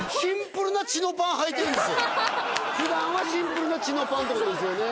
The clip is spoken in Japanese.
ふだんはシンプルなチノパンって事ですよね。